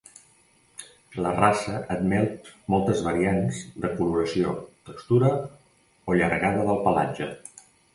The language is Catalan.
La raça admet moltes variants de coloració, textura o llargada del pelatge.